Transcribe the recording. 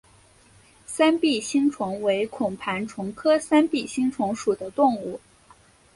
三臂星虫为孔盘虫科三臂星虫属的动物。